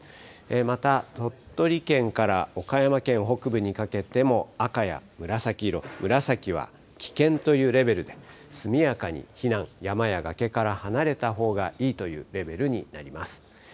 また、鳥取県から岡山県北部にかけても、赤や紫色、紫は危険というレベルで、速やかに避難、山や崖から離れたほうがいいというレベルになります。